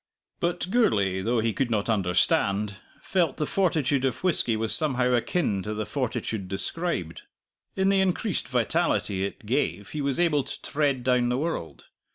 But Gourlay, though he could not understand, felt the fortitude of whisky was somehow akin to the fortitude described. In the increased vitality it gave he was able to tread down the world.